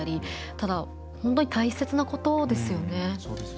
ただ本当に大切なことですよね。